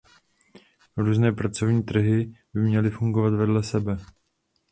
Různé pracovní trhy by měly fungovat vedle sebe.